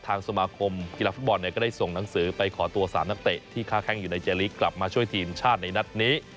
สมาคมกีฬาฟุตบอลก็ได้ส่งหนังสือไปขอตัว๓นักเตะที่ค้าแข้งอยู่ในเจลีกกลับมาช่วยทีมชาติในนัดนี้